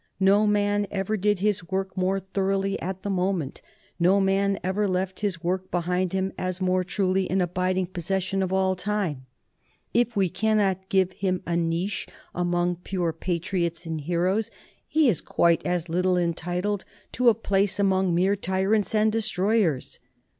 No man ever did his work more thoroughly at the moment ; no man ever left his work behind him as more truly an abiding possession for all time. ... If we cannot give him a niche among pure patriots and heroes, he is quite as little entitled to a place among mere tyrants and destroy ers.